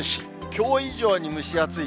きょう以上に蒸し暑い。